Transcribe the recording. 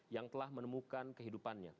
yang telah menemukan kehidupannya